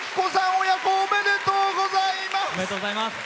親子おめでとうございます。